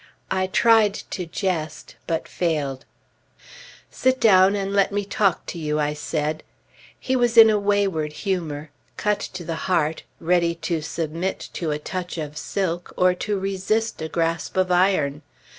I tried to jest, but failed. "Sit down and let me talk to you," I said. He was in a wayward humor; cut to the heart, ready to submit to a touch of silk, or to resist a grasp of iron.